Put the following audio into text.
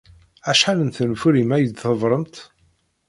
Acḥal n tenfulin ay d-tḍebbremt?